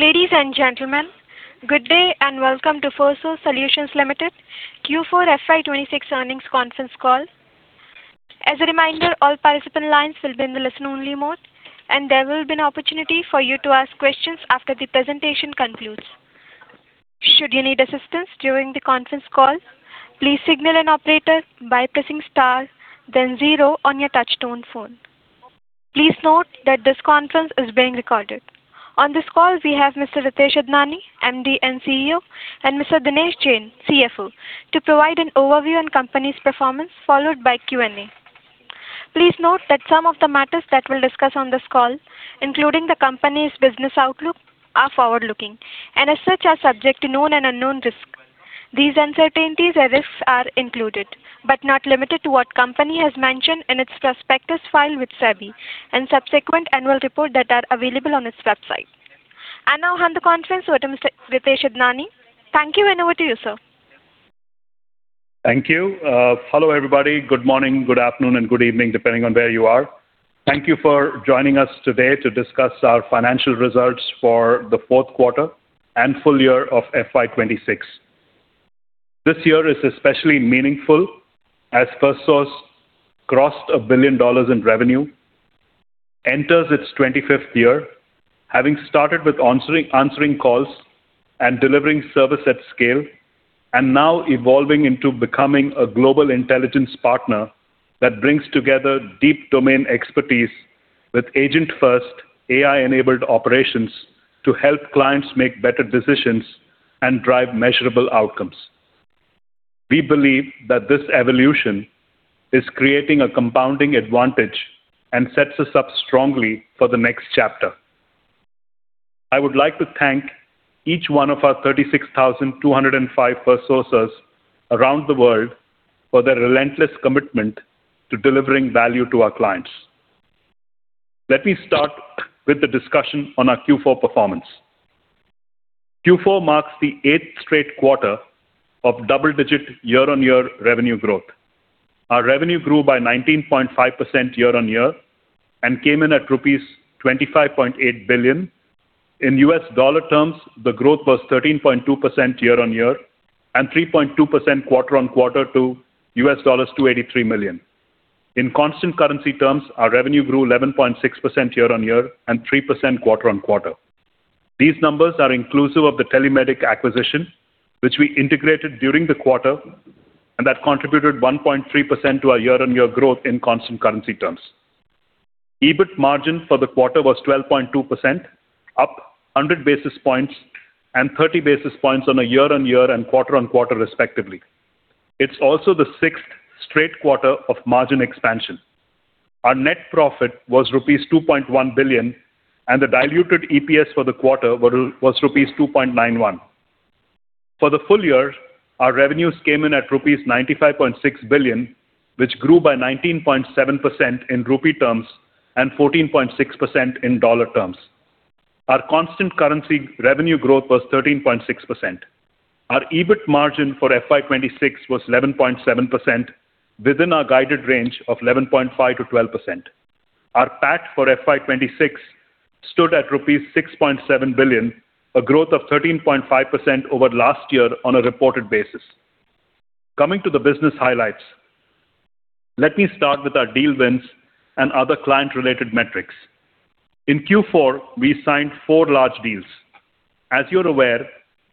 Ladies and gentleman, good day and welcome to Firstsource Solutions Limited Q4 FY 2026 earnings conference call. As a reminder all participant's lines will be in listen-only mode and there will be an opportunity to ask questions after the presentation concludes. Should you need assistance during the conference call, please signal an update by pressing star then zero on your touch-tone telephone. Please note that this conference is being recorded. On this call, we have Mr. Ritesh Idnani, MD and CEO, and Mr. Dinesh Jain, CFO, to provide an overview on company's performance, followed by Q&A. Please note that some of the matters that we'll discuss on this call, including the company's business outlook, are forward-looking and as such are subject to known and unknown risk. These uncertainties and risks are included, but not limited to what company has mentioned in its prospectus filed with SEBI and subsequent annual report that are available on its website. I now hand the conference over to Mr. Ritesh Idnani. Thank you and over to you, sir. Thank you. Hello, everybody. Good morning, good afternoon, and good evening, depending on where you are. Thank you for joining us today to discuss our financial results for the fourth quarter and full year of FY 2026. This year is especially meaningful as Firstsource crossed $1 billion in revenue, enters its 25th year, having started with answering calls and delivering service at scale, and now evolving into becoming a global intelligence partner that brings together deep domain expertise with agent-first AI-enabled operations to help clients make better decisions and drive measurable outcomes. We believe that this evolution is creating a compounding advantage and sets us up strongly for the next chapter. I would like to thank each one of our 36,205 Firstsourcers around the world for their relentless commitment to delivering value to our clients. Let me start with the discussion on our Q4 performance. Q4 marks the 8th straight quarter of double-digit year-on-year revenue growth. Our revenue grew by 19.5% year-on-year and came in at rupees 25.8 billion. In USD terms, the growth was 13.2% year-on-year and 3.2% quarter-on-quarter to $283 million. In constant currency terms, our revenue grew 11.6% year-on-year and 3% quarter-on-quarter. These numbers are inclusive of the TeleMedik acquisition, which we integrated during the quarter, and that contributed 1.3% to our year-on-year growth in constant currency terms. EBIT margin for the quarter was 12.2%, up 100 basis points and 30 basis points on a year-on-year and quarter-on-quarter respectively. It's also the sixth straight quarter of margin expansion. Our net profit was rupees 2.1 billion, and the diluted EPS for the quarter was rupees 2.91. For the full year, our revenues came in at rupees 95.6 billion, which grew by 19.7% in INR terms and 14.6% in USD terms. Our constant currency revenue growth was 13.6%. Our EBIT margin for FY 2026 was 11.7% within our guided range of 11.5%-12%. Our PAT for FY 2026 stood at rupees 6.7 billion, a growth of 13.5% over last year on a reported basis. Coming to the business highlights. Let me start with our deal wins and other client-related metrics. In Q4, we signed four large deals. As you're aware,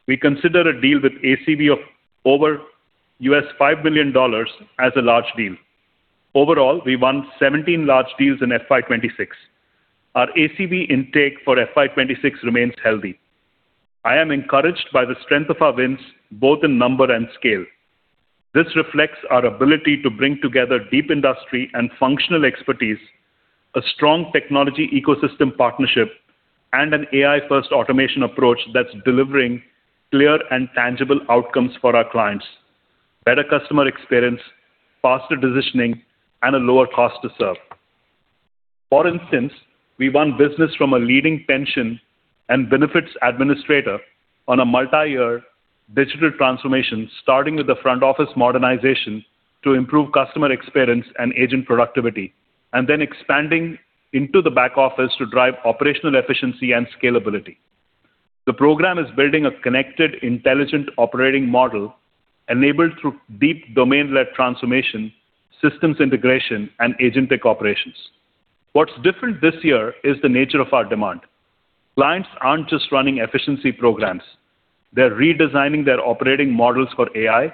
we consider a deal with ACV of over $5 million as a large deal. Overall, we won 17 large deals in FY 2026. Our ACV intake for FY 2026 remains healthy. I am encouraged by the strength of our wins, both in number and scale. This reflects our ability to bring together deep industry and functional expertise, a strong technology ecosystem partnership, and an AI-first automation approach that's delivering clear and tangible outcomes for our clients. Better customer experience, faster decisioning, and a lower cost to serve. For instance, we won business from a leading pension and benefits administrator on a multi-year digital transformation, starting with the front office modernization to improve customer experience and agent productivity, and then expanding into the back office to drive operational efficiency and scalability. The program is building a connected, intelligent operating model enabled through deep domain-led transformation, systems integration, and agent tech operations. What's different this year is the nature of our demand. Clients aren't just running efficiency programs. They're redesigning their operating models for AI,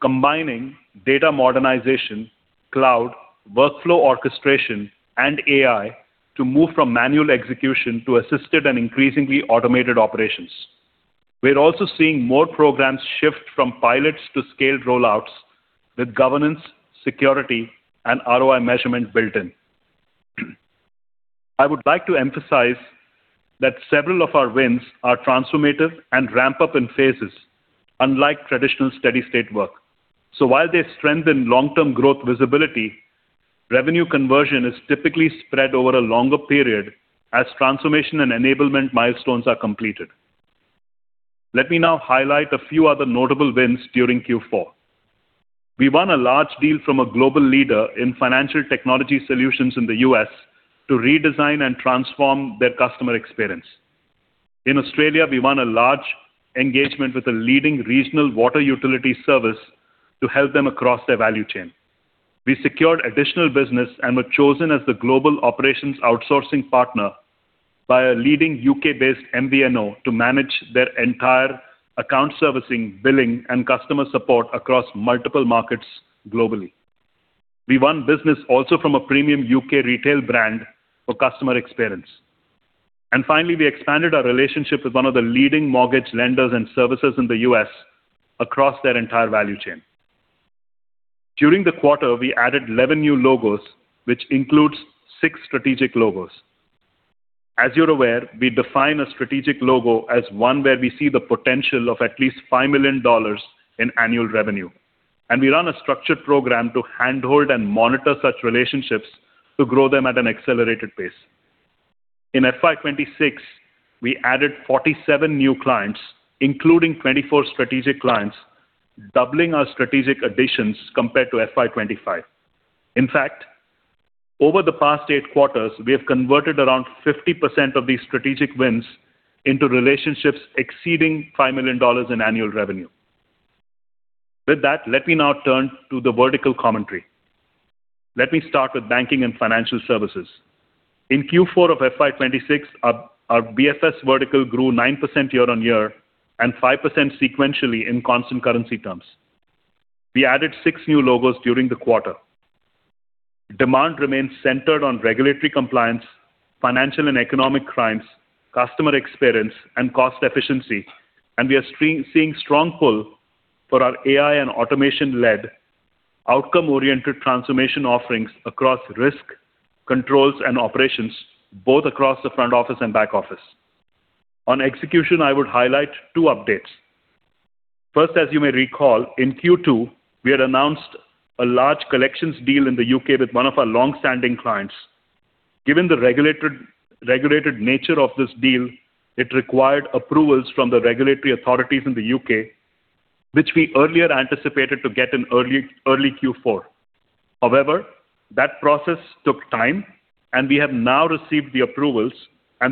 combining data modernization, cloud, workflow orchestration, and AI to move from manual execution to assisted and increasingly automated operations. We're also seeing more programs shift from pilots to scaled rollouts with governance, security, and ROI measurement built in. I would like to emphasize that several of our wins are transformative and ramp up in phases, unlike traditional steady-state work. While they strengthen long-term growth visibility, revenue conversion is typically spread over a longer period as transformation and enablement milestones are completed. Let me now highlight a few other notable wins during Q4. We won a large deal from a global leader in financial technology solutions in the U.S. to redesign and transform their customer experience. In Australia, we won a large engagement with a leading regional water utility service to help them across their value chain. We secured additional business and were chosen as the global operations outsourcing partner by a leading U.K.-based MVNO to manage their entire account servicing, billing, and customer support across multiple markets globally. We won business also from a premium U.K. retail brand for customer experience. Finally, we expanded our relationship with one of the leading mortgage lenders and servicers in the U.S. across their entire value chain. During the quarter, we added 11 new logos, which includes six strategic logos. As you're aware, we define a strategic logo as one where we see the potential of at least $5 million in annual revenue. We run a structured program to handhold and monitor such relationships to grow them at an accelerated pace. In FY 2026, we added 47 new clients, including 24 strategic clients, doubling our strategic additions compared to FY 2025. In fact, over the past 8 quarters, we have converted around 50% of these strategic wins into relationships exceeding $5 million in annual revenue. With that, let me now turn to the vertical commentary. Let me start with banking and financial services. In Q4 of FY 2026, our BFS vertical grew 9% year-on-year and 5% sequentially in constant currency terms. We added six new logos during the quarter. Demand remains centered on regulatory compliance, financial and economic crimes, customer experience, and cost efficiency, we are seeing strong pull for our AI and automation-led outcome-oriented transformation offerings across risk, controls, and operations, both across the front office and back office. On execution, I would highlight two updates. As you may recall, in Q2, we had announced a large collections deal in the U.K. with one of our long-standing clients. Given the regulated nature of this deal, it required approvals from the regulatory authorities in the U.K., which we earlier anticipated to get in early Q4. That process took time, we have now received the approvals,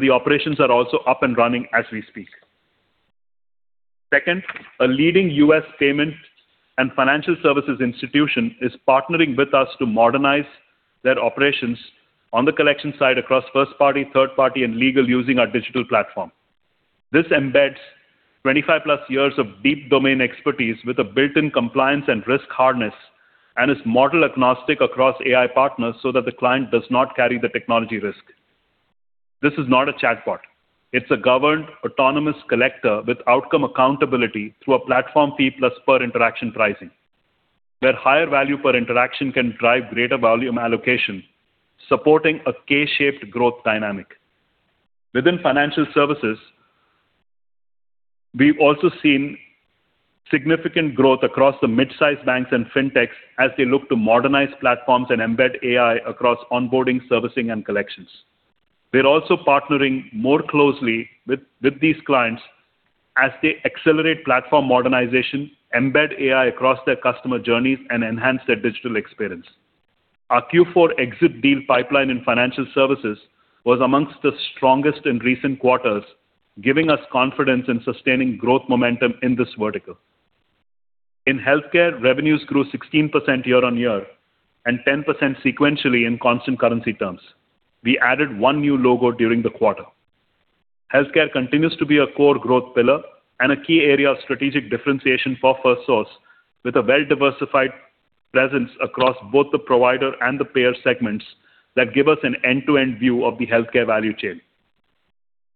the operations are also up and running as we speak. Second, a leading U.S. payment and financial services institution is partnering with us to modernize their operations on the collection side across first party, third party, and legal using our digital platform. This embeds 25+ years of deep domain expertise with a built-in compliance and risk harness and is model agnostic across AI partners so that the client does not carry the technology risk. This is not a chatbot. It's a governed autonomous collector with outcome accountability through a platform fee plus per interaction pricing, where higher value per interaction can drive greater volume allocation, supporting a K-shaped growth dynamic. Within financial services, we've also seen significant growth across the mid-size banks and fintechs as they look to modernize platforms and embed AI across onboarding, servicing, and collections. We're also partnering more closely with these clients as they accelerate platform modernization, embed AI across their customer journeys, and enhance their digital experience. Our Q4 exit deal pipeline in financial services was amongst the strongest in recent quarters, giving us confidence in sustaining growth momentum in this vertical. In healthcare, revenues grew 16% year-on-year and 10% sequentially in constant currency terms. We added one new logo during the quarter. Healthcare continues to be a core growth pillar and a key area of strategic differentiation for Firstsource with a well-diversified presence across both the provider and the payer segments that give us an end-to-end view of the healthcare value chain.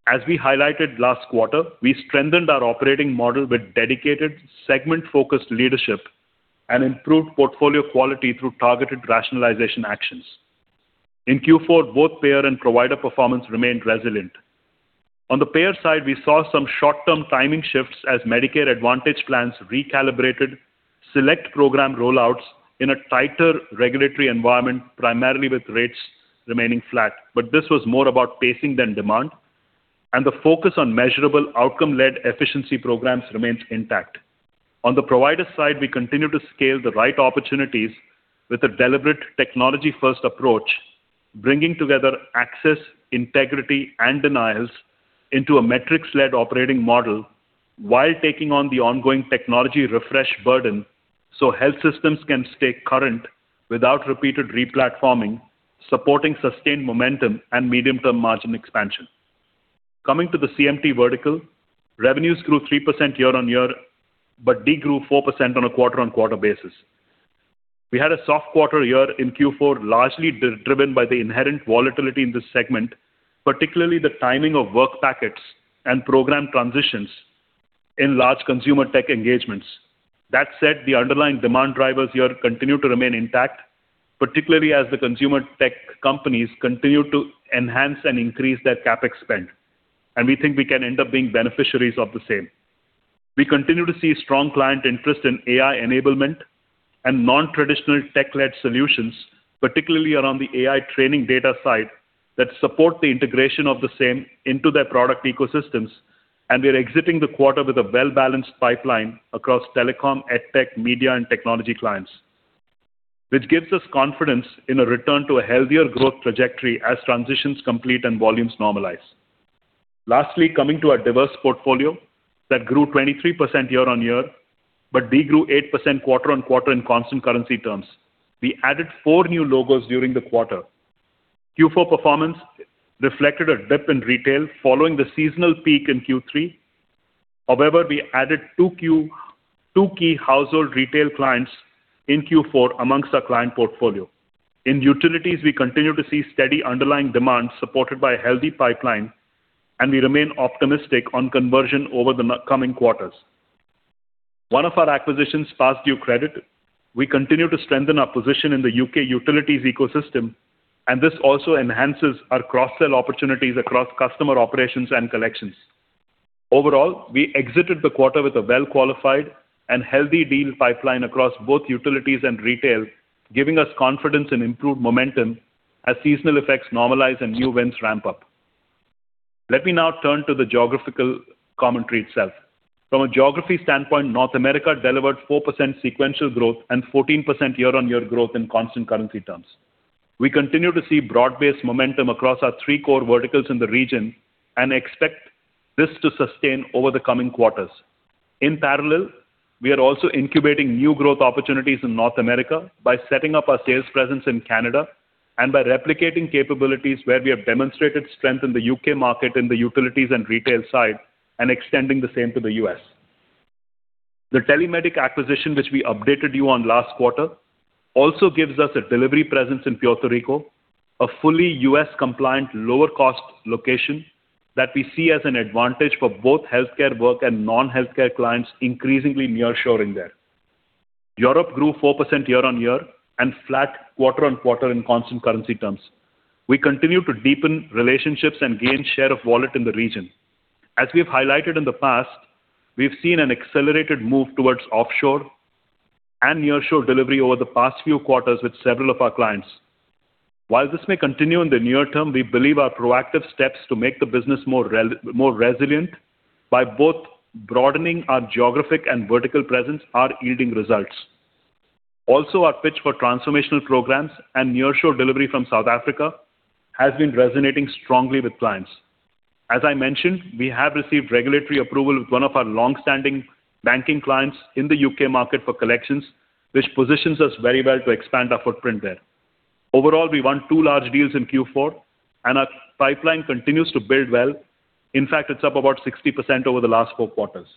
As we highlighted last quarter, we strengthened our operating model with dedicated segment-focused leadership and improved portfolio quality through targeted rationalization actions. In Q4, both payer and provider performance remained resilient. On the payer side, we saw some short-term timing shifts as Medicare Advantage Plans recalibrated select program rollouts in a tighter regulatory environment, primarily with rates remaining flat. This was more about pacing than demand, and the focus on measurable outcome-led efficiency programs remains intact. On the provider side, we continue to scale the right opportunities with a deliberate technology-first approach, bringing together access, integrity, and denials into a metrics-led operating model while taking on the ongoing technology refresh burden so health systems can stay current without repeated re-platforming, supporting sustained momentum and medium-term margin expansion. Coming to the CMT vertical, revenues grew 3% year-on-year but degrew 4% on a quarter-on-quarter basis. We had a soft quarter year in Q4, largely driven by the inherent volatility in this segment, particularly the timing of work packets and program transitions in large consumer tech engagements. That said, the underlying demand drivers here continue to remain intact, particularly as the consumer tech companies continue to enhance and increase their CapEx spend. We think we can end up being beneficiaries of the same. We continue to see strong client interest in AI enablement, and non-traditional tech-led solutions, particularly around the AI training data side that support the integration of the same into their product ecosystems. We are exiting the quarter with a well-balanced pipeline across telecom, EdTech, media, and technology clients. Which gives us confidence in a return to a healthier growth trajectory as transitions complete and volumes normalize. Lastly, coming to our diverse portfolio that grew 23% year-on-year, but de-grew 8% quarter-on-quarter in constant currency terms. We added 4 new logos during the quarter. Q4 performance reflected a dip in retail following the seasonal peak in Q3. However, we added two key household retail clients in Q4 amongst our client portfolio. In utilities, we continue to see steady underlying demand supported by a healthy pipeline, and we remain optimistic on conversion over the coming quarters. One of our acquisitions, Past Due Credit, we continue to strengthen our position in the U.K. utilities ecosystem, and this also enhances our cross-sell opportunities across customer operations and collections. Overall, we exited the quarter with a well-qualified and healthy deal pipeline across both utilities and retail, giving us confidence in improved momentum as seasonal effects normalize and new wins ramp up. Let me now turn to the geographical commentary itself. From a geography standpoint, North America delivered 4% sequential growth and 14% year-on-year growth in constant currency terms. We continue to see broad-based momentum across our three core verticals in the region and expect this to sustain over the coming quarters. In parallel, we are also incubating new growth opportunities in North America by setting up our sales presence in Canada and by replicating capabilities where we have demonstrated strength in the U.K. market in the utilities and retail side and extending the same to the U.S. The TeleMedik acquisition which we updated you on last quarter also gives us a delivery presence in Puerto Rico, a fully U.S.-compliant lower cost location that we see as an advantage for both healthcare work and non-healthcare clients increasingly nearshoring there. Europe grew 4% year-on-year and flat quarter-on-quarter in constant currency terms. We continue to deepen relationships and gain share of wallet in the region. As we've highlighted in the past, we've seen an accelerated move towards offshore and nearshore delivery over the past few quarters with several of our clients. While this may continue in the near term, we believe our proactive steps to make the business more resilient by both broadening our geographic and vertical presence are yielding results. Our pitch for transformational programs and nearshore delivery from South Africa has been resonating strongly with clients. As I mentioned, we have received regulatory approval with one of our long-standing banking clients in the U.K. market for collections, which positions us very well to expand our footprint there. We won two large deals in Q4, and our pipeline continues to build well. In fact, it's up about 60% over the last four quarters,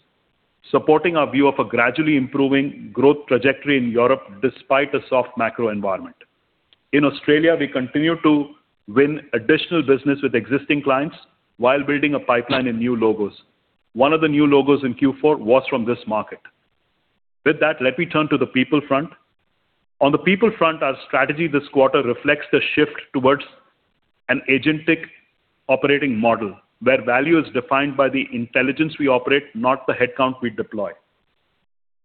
supporting our view of a gradually improving growth trajectory in Europe despite a soft macro environment. In Australia, we continue to win additional business with existing clients while building a pipeline in new logos. One of the new logos in Q4 was from this market. With that, let me turn to the people front. On the people front, our strategy this quarter reflects the shift towards an agentic operating model, where value is defined by the intelligence we operate, not the headcount we deploy.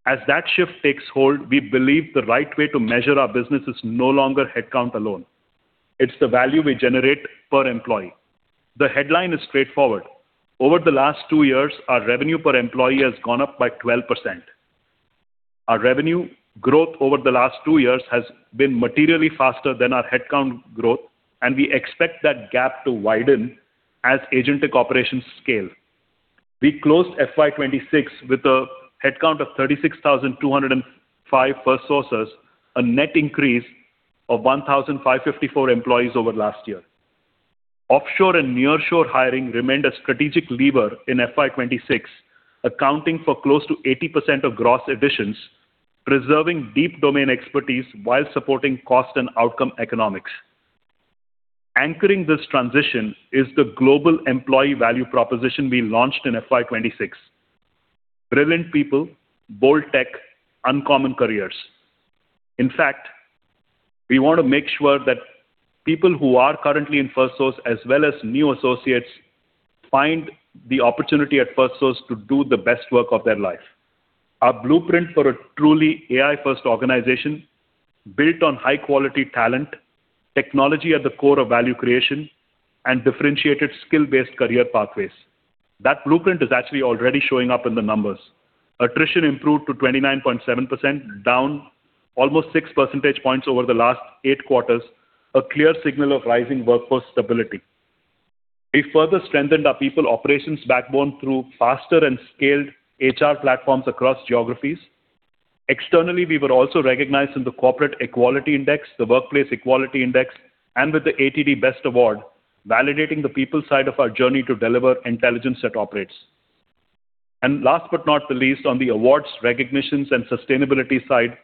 As that shift takes hold, we believe the right way to measure our business is no longer headcount alone. It's the value we generate per employee. The headline is straightforward. Over the last two years, our revenue per employee has gone up by 12%. Our revenue growth over the last two years has been materially faster than our headcount growth, and we expect that gap to widen as agentic operations scale. We closed FY 2026 with a headcount of 36,205 Firstsource, a net increase of 1,554 employees over last year. Offshore and nearshore hiring remained a strategic lever in FY 2026, accounting for close to 80% of gross additions, preserving deep domain expertise while supporting cost and outcome economics. Anchoring this transition is the global employee value proposition we launched in FY 2026. Brilliant people, bold tech, uncommon careers. We want to make sure that people who are currently in Firstsource, as well as new associates, find the opportunity at Firstsource to do the best work of their life. Our blueprint for a truly AI-first organization built on high-quality talent, technology at the core of value creation, and differentiated skill-based career pathways. That blueprint is actually already showing up in the numbers. Attrition improved to 29.7%, down almost six percentage points over the last eight quarters, a clear signal of rising workforce stability. We further strengthened our people operations backbone through faster and scaled HR platforms across geographies. Externally, we were also recognized in the Corporate Equality Index, the Workplace Equality Index, and with the ATD Best Award, validating the people side of our journey to deliver Intelligence That Operates. Last but not the least, on the awards, recognitions, and sustainability side,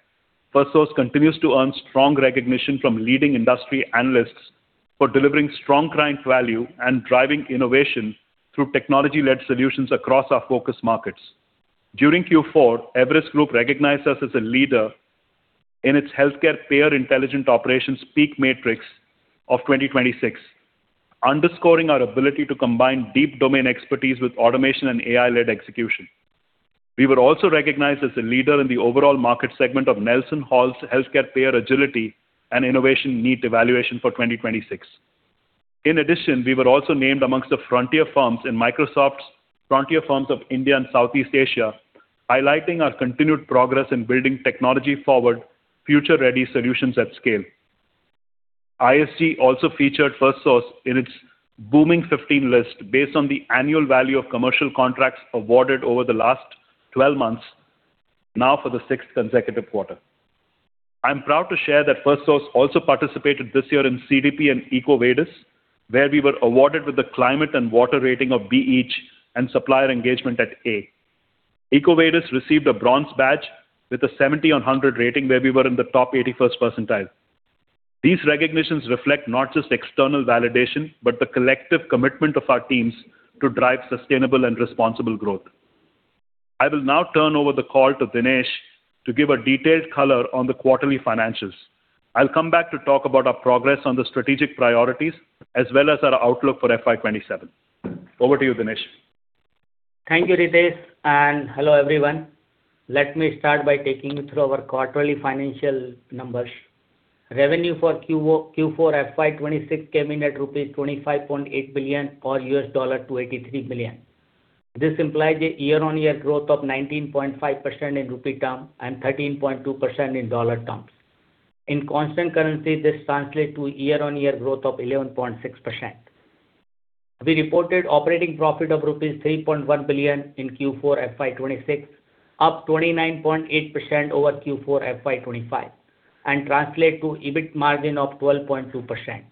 Firstsource continues to earn strong recognition from leading industry analysts for delivering strong client value and driving innovation through technology-led solutions across our focus markets. During Q4, Everest Group recognized us as a leader in its Healthcare Payer Intelligent Operations PEAK Matrix of 2026. Underscoring our ability to combine deep domain expertise with automation and AI-led execution. We were also recognized as a leader in the overall market segment of NelsonHall's Healthcare Payer Agility & Innovation NEAT Evaluation for 2026. We were also named amongst the Frontier Firms in Microsoft's Frontier Firms of India and Southeast Asia, highlighting our continued progress in building technology-forward, future-ready solutions at scale. ISG also featured Firstsource in its Booming 15 list based on the annual value of commercial contracts awarded over the last 12 months, now for the 6th consecutive quarter. I'm proud to share that Firstsource also participated this year in CDP and EcoVadis, where we were awarded with the climate and water rating of BH and supplier engagement at A. EcoVadis received a bronze badge with a 70 on 100 rating, where we were in the top 81st percentile. These recognitions reflect not just external validation, but the collective commitment of our teams to drive sustainable and responsible growth. I will now turn over the call to Dinesh to give a detailed color on the quarterly financials. I'll come back to talk about our progress on the strategic priorities as well as our outlook for FY 2027. Over to you, Dinesh. Thank you, Ritesh, and hello, everyone. Let me start by taking you through our quarterly financial numbers. Revenue for Q4 FY 2026 came in at INR 25.8 billion or $283 million. This implies a year-on-year growth of 19.5% in rupee term and 13.2% in dollar terms. In constant currency, this translate to year-on-year growth of 11.6%. We reported operating profit of rupees 3.1 billion in Q4 FY 2026, up 29.8% over Q4 FY 2025, and translate to EBIT margin of 12.2%,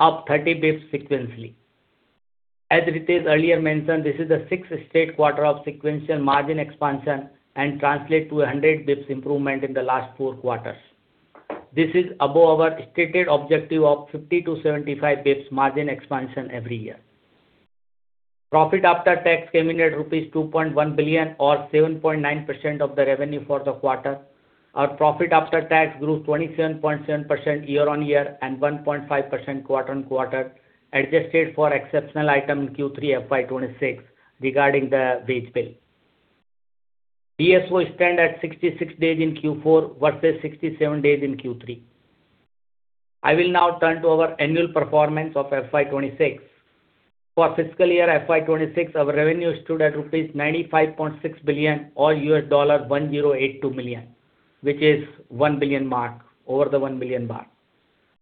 up 30 basis points sequentially. As Ritesh earlier mentioned, this is the sixth straight quarter of sequential margin expansion and translate to a 100 basis points improvement in the last 4 quarters. This is above our stated objective of 50-75 basis points margin expansion every year. Profit after tax came in at rupees 2.1 billion or 7.9% of the revenue for the quarter. Our profit after tax grew 27.7% year-on-year and 1.5% quarter-on-quarter, adjusted for exceptional item in Q3 FY 2026 regarding the wage bill. DSO stand at 66 days in Q4 versus 67 days in Q3. I will now turn to our annual performance of FY 2026. For fiscal year FY 2026, our revenue stood at rupees 95.6 billion or $1,082 million, which is over the $1 billion mark.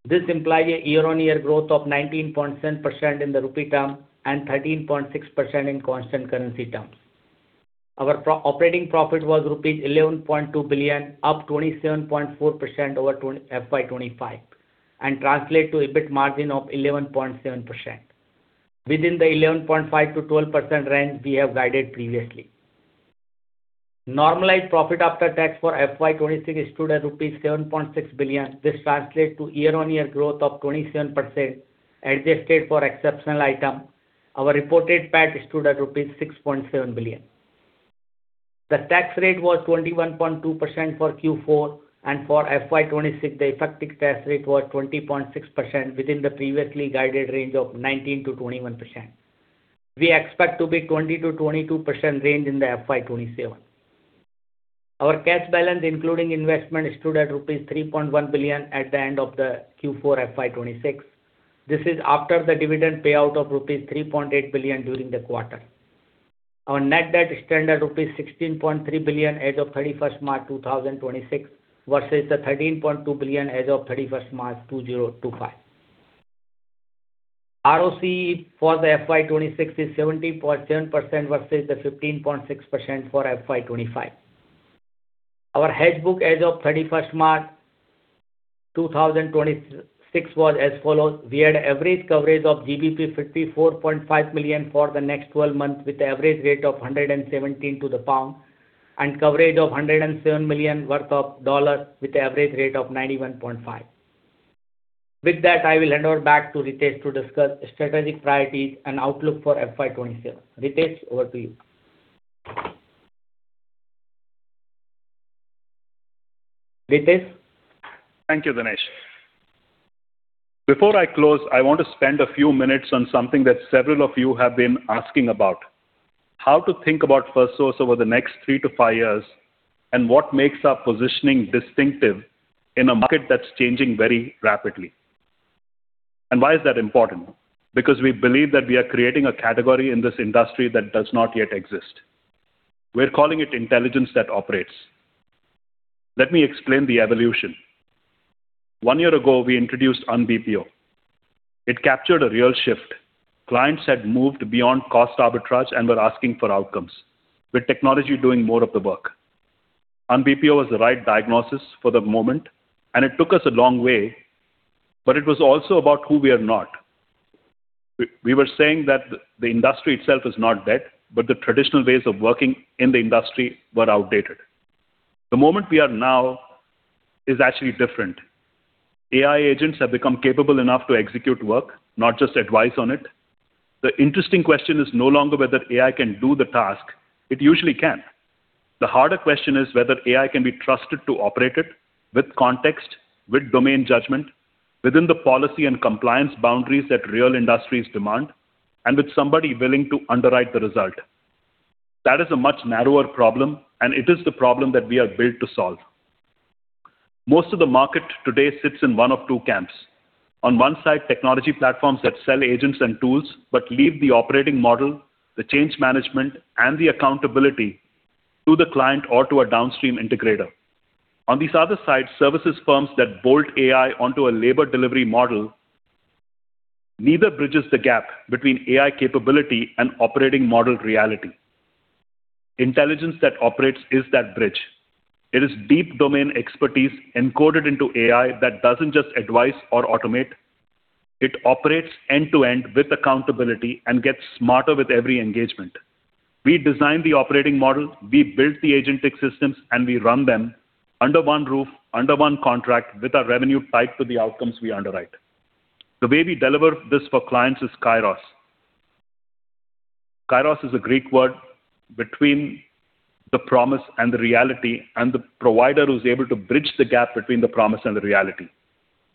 This implies a year-on-year growth of 19.7% in the rupee term and 13.6% in constant currency terms. Our pro-operating profit was rupees 11.2 billion, up 27.4% over FY 2025, and translate to EBIT margin of 11.7%. Within the 11.5%-12% range we have guided previously. Normalized profit after tax for FY 2026 stood at 7.6 billion rupees. This translates to year-on-year growth of 27% adjusted for exceptional item. Our reported PAT stood at rupees 6.7 billion. The tax rate was 21.2% for Q4, and for FY 2026, the effective tax rate was 20.6% within the previously guided range of 19%-21%. We expect to be 20%-22% range in the FY 2027. Our cash balance, including investment, stood at rupees 3.1 billion at the end of the Q4 FY 2026. This is after the dividend payout of rupees 3.8 billion during the quarter. Our net debt standard rupees 16.3 billion as of 31st March 2026 versus the 13.2 billion as of 31st March 2025. ROCE for the FY 2026 is 17.7% versus the 15.6% for FY 2025. Our hedge book as of 31st March 2026 was as follows: We had average coverage of GBP 54.5 million for the next twelve months, with the average rate of 117 to the pound and coverage of $107 million worth of dollars with the average rate of 91.5. With that, I will hand over back to Ritesh to discuss strategic priorities and outlook for FY 2027. Ritesh, over to you. Ritesh? Thank you, Dinesh. Before I close, I want to spend a few minutes on something that several of you have been asking about: how to think about Firstsource over the next three to five years, and what makes our positioning distinctive in a market that's changing very rapidly. Why is that important? Because we believe that we are creating a category in this industry that does not yet exist. We're calling it Intelligence That Operates. Let me explain the evolution. One year ago, we introduced UnBPO. It captured a real shift. Clients had moved beyond cost arbitrage and were asking for outcomes, with technology doing more of the work. UnBPO was the right diagnosis for the moment, and it took us a long way, but it was also about who we are not. We were saying that the industry itself is not dead, but the traditional ways of working in the industry were outdated. The moment we are now is actually different. AI agents have become capable enough to execute work, not just advise on it. The interesting question is no longer whether AI can do the task. It usually can. The harder question is whether AI can be trusted to operate it with context, with domain judgment, within the policy and compliance boundaries that real industries demand, and with somebody willing to underwrite the result. That is a much narrower problem, and it is the problem that we are built to solve. Most of the market today sits in one of two camps. On one side, technology platforms that sell agents and tools but leave the operating model, the change management, and the accountability to the client or to a downstream integrator. On this other side, services firms that bolt AI onto a labor delivery model. Neither bridges the gap between AI capability and operating model reality. Intelligence That Operates is that bridge. It is deep domain expertise encoded into AI that doesn't just advise or automate. It operates end-to-end with accountability and gets smarter with every engagement. We design the operating model, we build the agentic systems, we run them under one roof, under one contract with our revenue tied to the outcomes we underwrite. The way we deliver this for clients is Kairos. Kairos is a Greek word between the promise and the reality, the provider who's able to bridge the gap between the promise and the reality.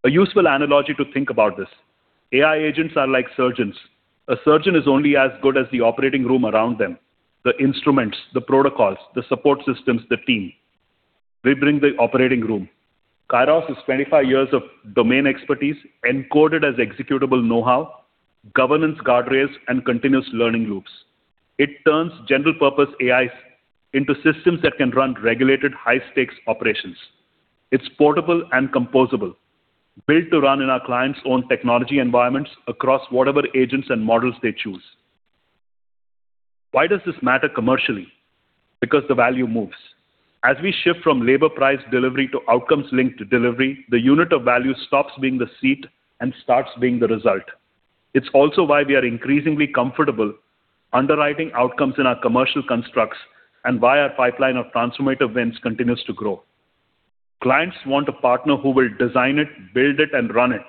A useful analogy to think about this. AI agents are like surgeons. A surgeon is only as good as the operating room around them, the instruments, the protocols, the support systems, the team. We bring the operating room. Kairos is 25 years of domain expertise encoded as executable know-how, governance guardrails, and continuous learning loops. It turns general-purpose AIs into systems that can run regulated high-stakes operations. It's portable and composable, built to run in our clients' own technology environments across whatever agents and models they choose. Why does this matter commercially? The value moves. As we shift from labor price delivery to outcomes linked to delivery, the unit of value stops being the seat and starts being the result. It's also why we are increasingly comfortable underwriting outcomes in our commercial constructs and why our pipeline of transformative wins continues to grow. Clients want a partner who will design it, build it, and run it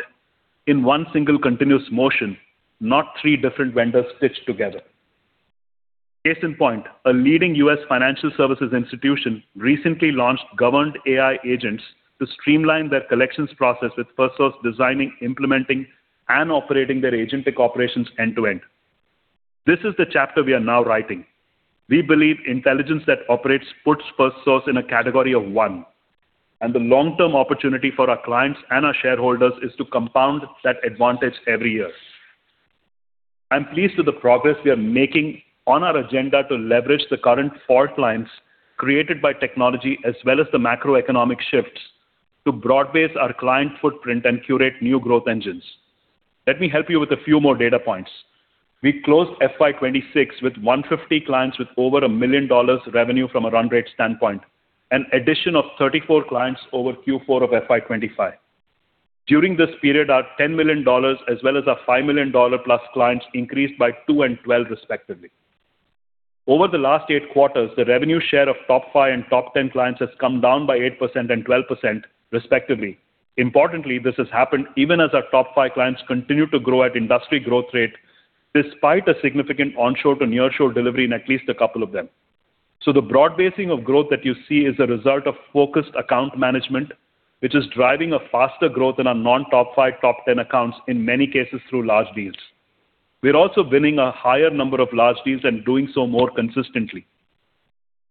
in one single continuous motion, not three different vendors stitched together. Case in point, a leading U.S. financial services institution recently launched governed AI agents to streamline their collections process with Firstsource designing, implementing, and operating their agentic operations end to end. This is the chapter we are now writing. We believe Intelligence That Operates puts Firstsource in a category of one, and the long-term opportunity for our clients and our shareholders is to compound that advantage every year. I'm pleased with the progress we are making on our agenda to leverage the current fault lines created by technology as well as the macroeconomic shifts to broad-base our client footprint and curate new growth engines. Let me help you with a few more data points. We closed FY 2026 with 150 clients with over $1 million revenue from a run rate standpoint, an addition of 34 clients over Q4 of FY 2025. During this period, our $10 million as well as our $5 million plus clients increased by 2 and 12 respectively. Over the last 8 quarters, the revenue share of top 5 and top 10 clients has come down by 8% and 12% respectively. Importantly, this has happened even as our top 5 clients continue to grow at industry growth rate despite a significant onshore to nearshore delivery in at least a couple of them. The broad-basing of growth that you see is a result of focused account management, which is driving a faster growth in our non-top 5, top 10 accounts, in many cases through large deals. We are also winning a higher number of large deals and doing so more consistently.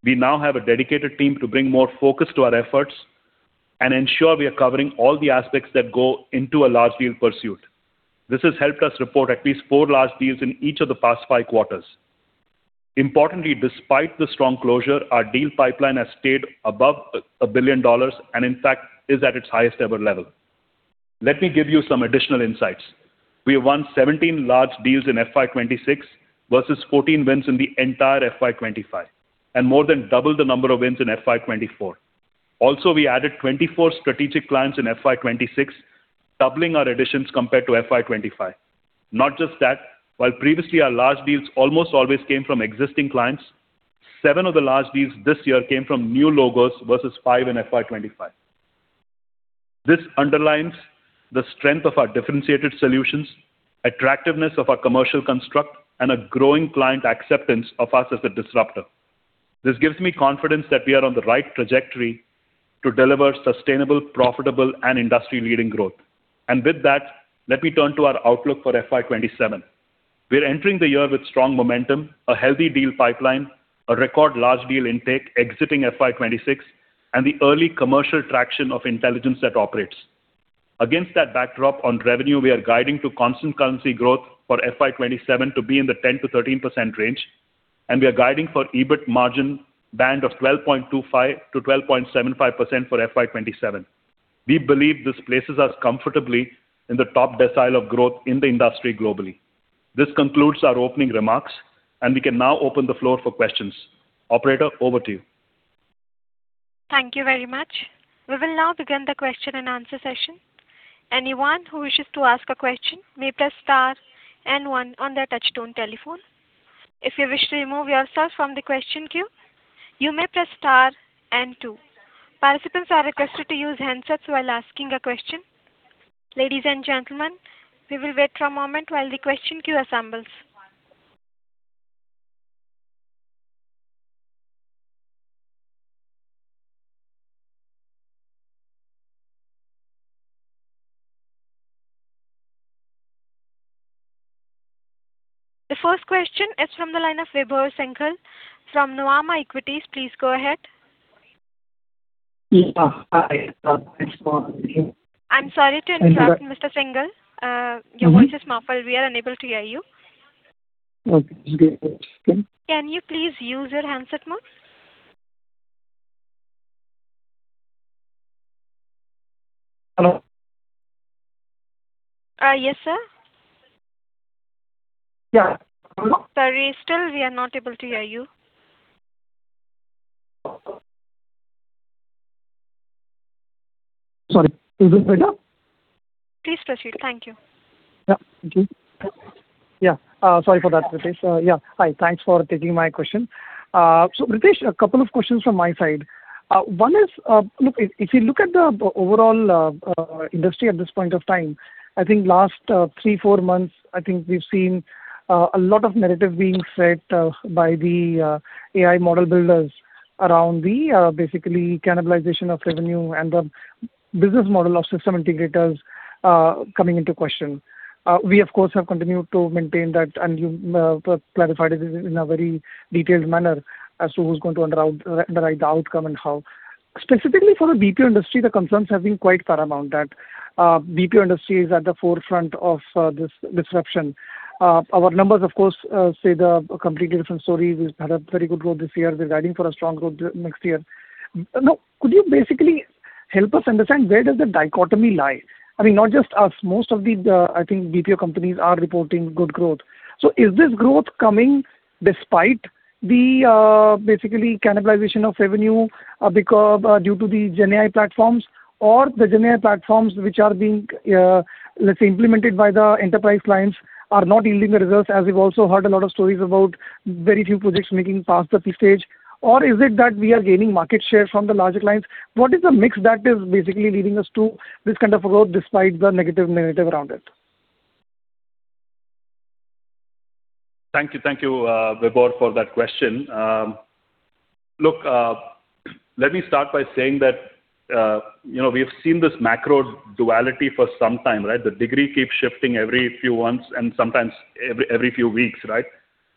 We now have a dedicated team to bring more focus to our efforts and ensure we are covering all the aspects that go into a large deal pursuit. This has helped us report at least 4 large deals in each of the past 5 quarters. Importantly, despite the strong closure, our deal pipeline has stayed above $1 billion and in fact is at its highest ever level. Let me give you some additional insights. We have won 17 large deals in FY 2026 versus 14 wins in the entire FY 2025, and more than double the number of wins in FY 2024. We added 24 strategic clients in FY 2026, doubling our additions compared to FY 2025. Not just that, while previously our large deals almost always came from existing clients, seven of the large deals this year came from new logos versus five in FY 2025. This underlines the strength of our differentiated solutions, attractiveness of our commercial construct, and a growing client acceptance of us as a disruptor. This gives me confidence that we are on the right trajectory to deliver sustainable, profitable, and industry-leading growth. With that, let me turn to our outlook for FY 2027. We are entering the year with strong momentum, a healthy deal pipeline, a record large deal intake exiting FY 2026, and the early commercial traction of Intelligence That Operates. Against that backdrop on revenue, we are guiding to constant currency growth for FY 2027 to be in the 10%-13% range, and we are guiding for EBIT margin band of 12.25%-12.75% for FY 2027. We believe this places us comfortably in the top decile of growth in the industry globally. This concludes our opening remarks, and we can now open the floor for questions. Operator, over to you. The first question is from the line of Vibhor Singhal from Nuvama Equities. Please go ahead. Yeah. Hi, thanks for- I'm sorry to interrupt, Mr. Singhal. Your voice is muffled. We are unable to hear you. Okay. Give me one second. Can you please use your handset mode? Hello. Yes, sir. Yeah. Hello. Sorry. Still we are not able to hear you. Sorry. Is it better? Please proceed. Thank you. Yeah. Thank you. Yeah. Sorry for that, Ritesh. Yeah. Hi. Thanks for taking my question. Ritesh, a couple of questions from my side. One is, look, if you look at the overall industry at this point of time, I think last three, four months, I think we've seen a lot of narrative being set by the AI model builders around the basically cannibalization of revenue and the business model of system integrators coming into question. We of course have continued to maintain that and you clarified it in a very detailed manner as to who's going to underwrite the outcome and how. Specifically for the BPO industry, the concerns have been quite paramount that BPO industry is at the forefront of this disruption. Our numbers of course say the completely different story. We've had a very good growth this year. We're guiding for a strong growth next year. Could you basically help us understand where does the dichotomy lie? I mean, not just us. Most of the, I think BPO companies are reporting good growth. Is this growth coming despite the basically cannibalization of revenue because due to the GenAI platforms or the GenAI platforms which are being let's say implemented by the enterprise clients are not yielding the results, as we've also heard a lot of stories about very few projects making past the P stage? Is it that we are gaining market share from the larger clients? What is the mix that is basically leading us to this kind of growth despite the negative narrative around it? Thank you. Thank you, Vibhor, for that question. Look, let me start by saying that, you know, we have seen this macro duality for some time, right? The degree keeps shifting every few months and sometimes every few weeks, right?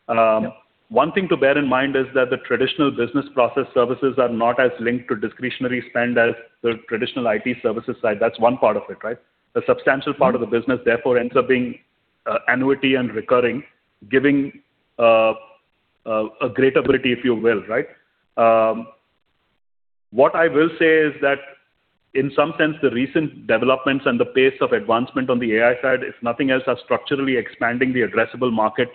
Yeah. One thing to bear in mind is that the traditional business process services are not as linked to discretionary spend as the traditional IT services side. That's one part of it, right? The substantial part of the business therefore ends up being annuity and recurring, giving a great ability, if you will, right? What I will say is that in some sense the recent developments and the pace of advancement on the AI side, if nothing else, are structurally expanding the addressable market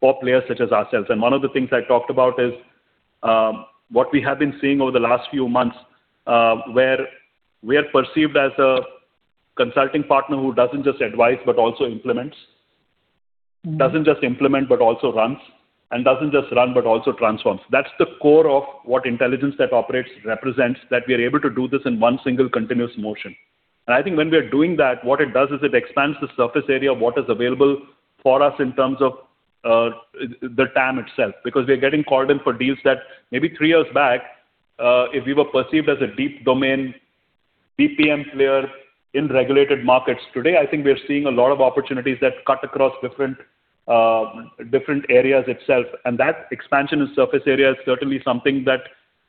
for players such as ourselves. One of the things I talked about is what we have been seeing over the last few months, where we are perceived as a consulting partner who doesn't just advise but also implements. Doesn't just implement but also runs, and doesn't just run but also transforms. That's the core of what Intelligence That Operates represents, that we are able to do this in one single continuous motion. I think when we are doing that, what it does is it expands the surface area of what is available for us in terms of the TAM itself. Because we are getting called in for deals that maybe three years back, if we were perceived as a deep domain BPM player in regulated markets, today I think we are seeing a lot of opportunities that cut across different areas itself. That expansion in surface area is certainly something that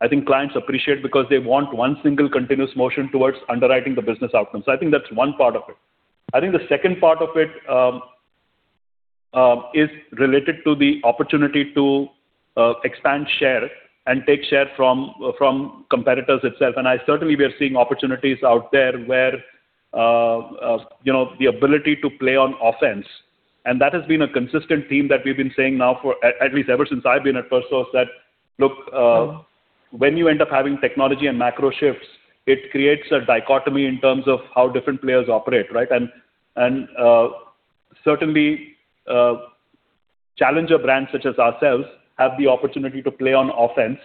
I think clients appreciate because they want one single continuous motion towards underwriting the business outcome. I think that's one part of it. I think the second part of it is related to the opportunity to expand share and take share from competitors itself. I certainly we are seeing opportunities out there where, you know, the ability to play on offense, and that has been a consistent theme that we've been saying now for at least ever since I've been at Firstsource, that, look, when you end up having technology and macro shifts, it creates a dichotomy in terms of how different players operate, right? Certainly, challenger brands such as ourselves have the opportunity to play on offense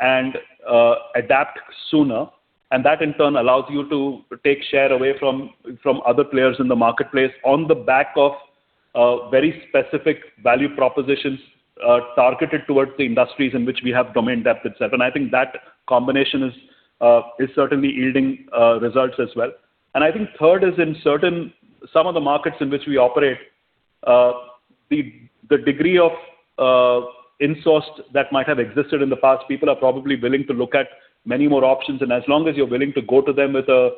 and adapt sooner. That in turn allows you to take share away from other players in the marketplace on the back of very specific value propositions, targeted towards the industries in which we have domain depth itself. I think that combination is certainly yielding results as well. I think third is in some of the markets in which we operate, the degree of insourced that might have existed in the past, people are probably willing to look at many more options. As long as you're willing to go to them with a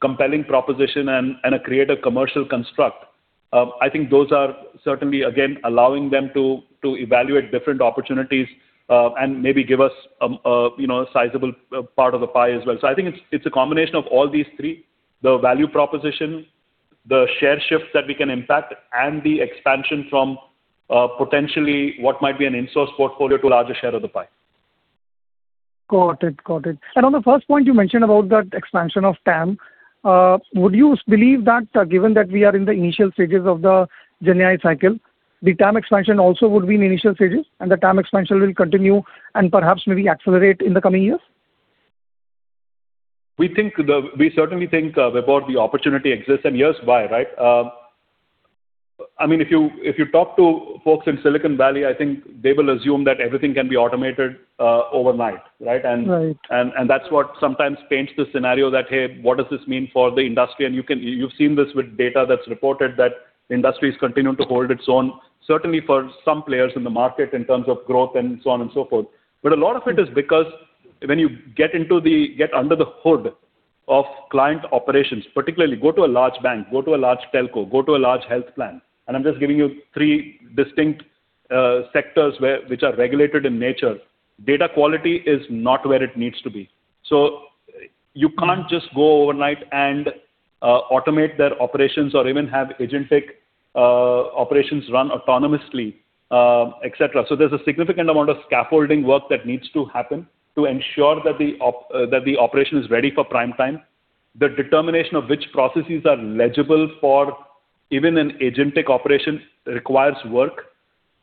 compelling proposition and a creative commercial construct, I think those are certainly again allowing them to evaluate different opportunities, and maybe give us a, you know, a sizable part of the pie as well. I think it's a combination of all these three, the value proposition, the share shifts that we can impact, and the expansion from potentially what might be an insourced portfolio to a larger share of the pie. Got it. On the first point you mentioned about that expansion of TAM, would you believe that, given that we are in the initial stages of the GenAI cycle, the TAM expansion also would be in initial stages, and the TAM expansion will continue and perhaps maybe accelerate in the coming years? We certainly think, Vibhor, the opportunity exists, and here's why, right? I mean, if you, if you talk to folks in Silicon Valley, I think they will assume that everything can be automated, overnight, right? Right. That's what sometimes paints the scenario that, what does this mean for the industry? You've seen this with data that's reported that the industry is continuing to hold its own, certainly for some players in the market in terms of growth and so on and so forth. A lot of it is because when you get under the hood of client operations, particularly go to a large bank, go to a large telco, go to a large health plan, I'm just giving you 3 distinct sectors which are regulated in nature. Data quality is not where it needs to be. You can't just go overnight and automate their operations or even have agentic operations run autonomously, et cetera. There's a significant amount of scaffolding work that needs to happen to ensure that the operation is ready for prime time. The determination of which processes are legible for even an agentic operation requires work.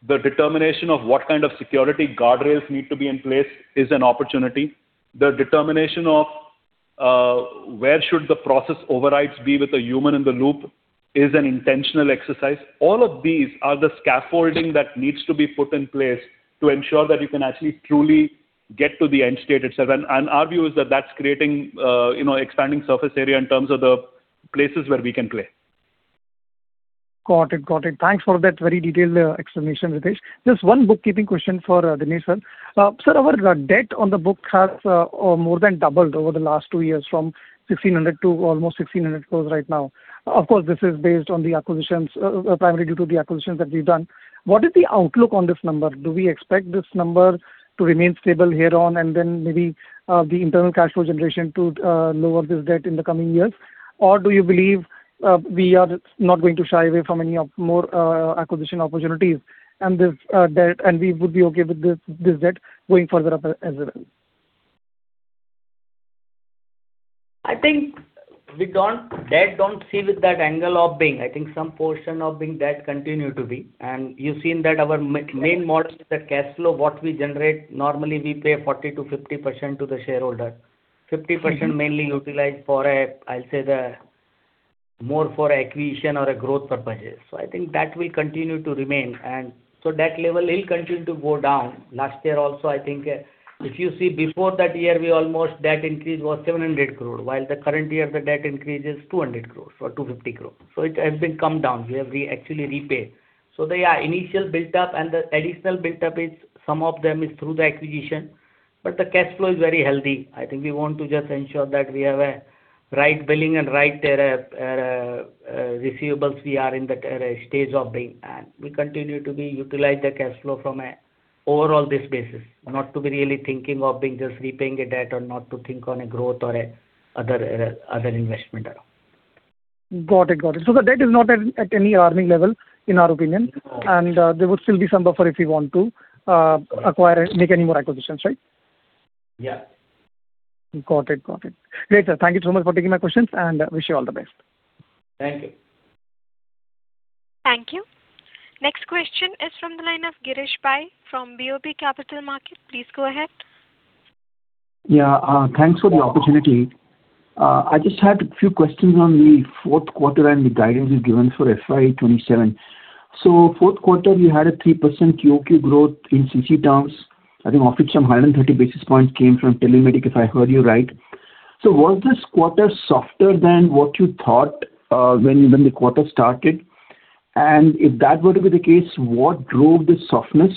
The determination of what kind of security guardrails need to be in place is an opportunity. The determination of where should the process overrides be with a human in the loop is an intentional exercise. All of these are the scaffolding that needs to be put in place to ensure that you can actually truly get to the end state itself. Our view is that that's creating, you know, expanding surface area in terms of the places where we can play. Got it. Got it. Thanks for that very detailed explanation, Ritesh. Just one bookkeeping question for Dinesh Jain. Sir, our debt on the book has more than doubled over the last 2 years from 1,600 to almost 1,600 crores right now. Of course, this is based on the acquisitions primarily due to the acquisitions that we've done. What is the outlook on this number? Do we expect this number to remain stable here on and then maybe the internal cash flow generation to lower this debt in the coming years? Or do you believe we are not going to shy away from any of more acquisition opportunities and this debt, and we would be okay with this debt going further up as well? I think we don't debt don't see with that angle of being. I think some portion of being debt continue to be. You've seen that our main model is the cash flow. What we generate, normally we pay 40%-50% to the shareholder. 50% mainly utilized for, I'll say the, more for acquisition or a growth purposes. I think that will continue to remain. Debt level will continue to go down. Last year also, I think, if you see before that year, we almost debt increase was 700 crore. While the current year, the debt increase is 200 crores or 250 crore. It has been come down. We have actually repaid. They are initial buildup and the additional buildup is some of them is through the acquisition, but the cash flow is very healthy. I think we want to just ensure that we have a right billing and right receivables we are in the stage of being. We continue to be utilize the cash flow from a overall this basis. Not to be really thinking of being just repaying a debt or not to think on a growth or a other investment at all. Got it. The debt is not at any alarming level in our opinion. No. There would still be some buffer if you want to acquire and make any more acquisitions, right? Yeah. Got it. Great, sir. Thank you so much for taking my questions. Wish you all the best. Thank you. Thank you. Next question is from the line of Girish Pai from BOB Capital Markets. Please go ahead. Yeah. Thanks for the opportunity. I just had a few questions on the fourth quarter and the guidance you've given for FY 2027. Fourth quarter, you had a 3% QOQ growth in CC terms. I think of it some 130 basis points came from TeleMedik, if I heard you right. Was this quarter softer than what you thought, when the quarter started? If that were to be the case, what drove the softness?